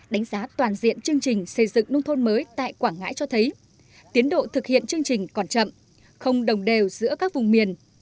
đánh giá toàn diện chương trình xây dựng nông thôn mới tại quảng ngãi cho thấy tiến độ thực hiện chương trình còn chậm không đồng đều giữa các vùng miền